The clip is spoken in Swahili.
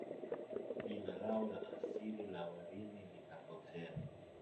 Jina lao la asili la Warimi likapotea